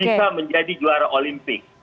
bisa menjadi juara olimpik